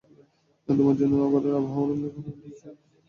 তোমার জন্য ঘরের আবহাওয়া আরামদায়ক করে দিচ্ছি।